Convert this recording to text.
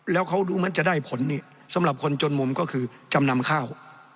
แล้วเขาดูเหมือนจะได้ผลนี่สำหรับคนจนมุมก็คือจำนำข้าว